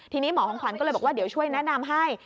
ทีนี้หมอของขวัญก็เลยบอกว่าเดี๋ยวช่วยแนะนำให้